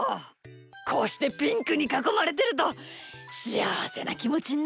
こうしてピンクにかこまれてるとしあわせなきもちになるんだ。